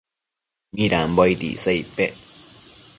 midambo aid icsa icpec ?